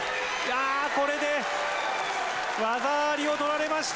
これで技ありを取られました！